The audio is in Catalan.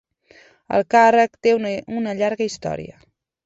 El càrrec té una llarga història.